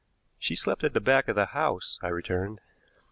"She slept at the back of the house," I returned.